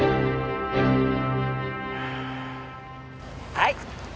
はい。